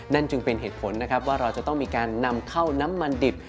จึงเป็นเหตุผลนะครับว่าเราจะต้องมีการนำเข้าน้ำมันดิบ